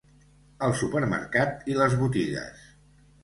El supermercat i les botigues.